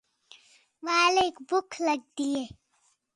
ٻالینک ٻُکھ لڳدی ہے